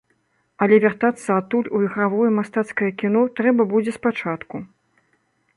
Але вяртацца адтуль у ігравое мастацкае кіно трэба будзе з пачатку.